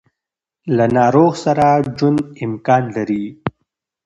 له ناروغ سره ژوند امکان لري.